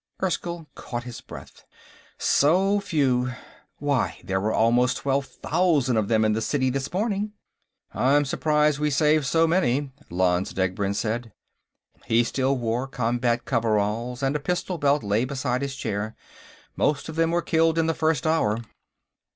Erskyll caught his breath. "So few! Why, there were almost twelve thousand of them in the city this morning." "I'm surprised we saved so many," Lanze Degbrend said. He still wore combat coveralls, and a pistol belt lay beside his chair. "Most of them were killed in the first hour."